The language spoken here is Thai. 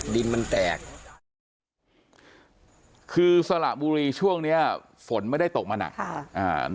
ดินมันแตกคือสละบุรีช่วงเนี้ยฝนไม่ได้ตกมาหนักค่ะอ่า